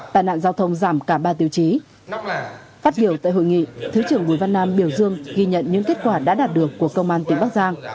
tàn nạn giao thông giảm cả ba tiêu chí phát biểu tại hội nghị thứ trưởng bùi văn nam biểu dương ghi nhận những kết quả đã đạt được của công an tỉnh bắc giang